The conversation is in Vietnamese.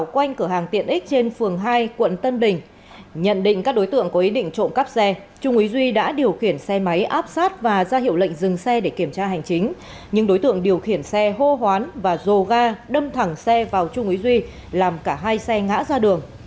quanh cửa hàng tiện ích trên phường hai quận tân bình nhận định các đối tượng có ý định trộm cắp xe trung úy duy đã điều khiển xe máy áp sát và ra hiệu lệnh dừng xe để kiểm tra hành chính nhưng đối tượng điều khiển xe hô hoán và dồ ga đâm thẳng xe vào trung úy duy làm cả hai xe ngã ra đường